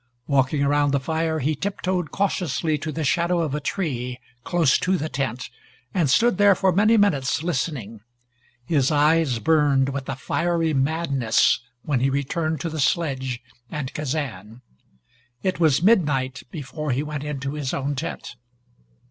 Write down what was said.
Walking around the fire, he tiptoed cautiously to the shadow of a tree close to the tent and stood there for many minutes listening. His eyes burned with a fiery madness when he returned to the sledge and Kazan. It was midnight before he went into his own tent.